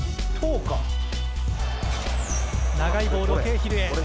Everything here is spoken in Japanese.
長いボールをケーヒルへ。